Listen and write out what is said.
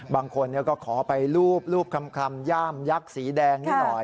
บางคนก็ขอไปรูปคลำย่ามยักษ์สีแดงนิดหน่อย